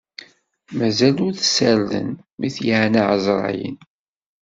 Mazal ur t-ssarden, mi t-yeɛna ɛezṛayen.